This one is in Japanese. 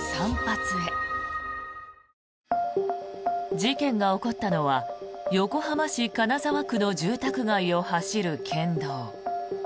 事件が起こったのは横浜市金沢区の住宅街を走る県道。